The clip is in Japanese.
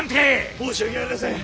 申し訳ありやせん！